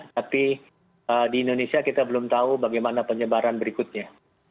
tapi di indonesia kita belum tahu bagaimana penyebaran berikutnya